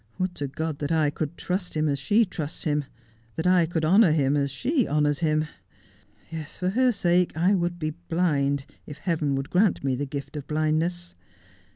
' Would to God that I could trust him as she trusts him — that I could honour him as she honours him. Yes, for her sake I would be blind, if heaven Dulcie Sacrifices Herself. 155 would grant me the gift of blindness.